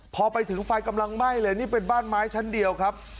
พอไปถึงไฟกำลังไหม้เลยนี่เป็นบ้านไม้ชั้นเดียวครับ